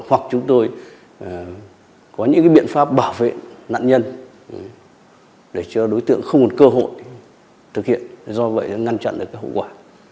hoặc chúng tôi có những biện pháp bảo vệ nạn nhân để cho đối tượng không còn cơ hội thực hiện do vậy ngăn chặn được cái hậu quả